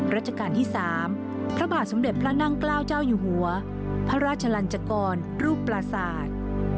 ราชการที่๓พระบาทสมเด็จพระนั่งเกล้าเจ้าอยู่หัวพระราชลันจกรรูปปราศาสตร์